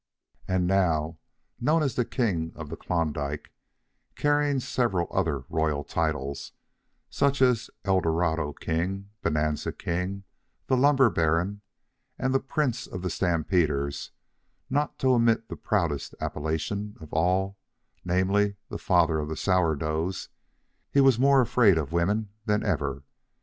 And now, known as the King of the Klondike, carrying several other royal titles, such as Eldorado King, Bonanza King, the Lumber Baron, and the Prince of the Stampeders, not to omit the proudest appellation of all, namely, the Father of the Sourdoughs, he was more afraid of women than ever.